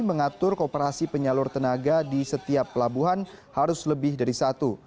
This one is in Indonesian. mengatur kooperasi penyalur tenaga di setiap pelabuhan harus lebih dari satu